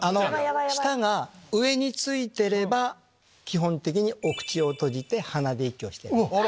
⁉舌が上についてれば基本的にお口を閉じて鼻で息をしてる。